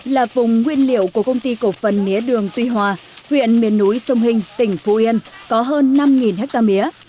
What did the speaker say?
là vùng nguyên liệu của công ty cổ phần mía đường tuy hòa huyện miền núi sông hình tỉnh phú yên có hơn năm hectare mía